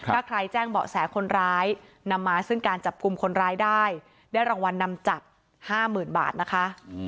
ถ้าใครแจ้งเบาะแสคนร้ายนำมาซึ่งการจับกลุ่มคนร้ายได้ได้รางวัลนำจับ๕๐๐๐บาทนะคะ